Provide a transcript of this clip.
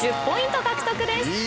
１０ポイント獲得です。